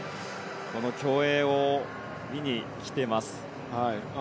競泳を見に来ています。